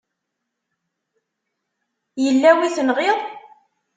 Yella wi tenɣiḍ?